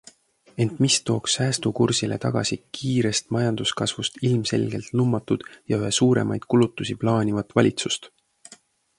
Ent mis tooks säästukursile tagasi kiirest majanduskasvust ilmselgelt lummatud ja üha suuremaid kulutusi plaanivat valitsust?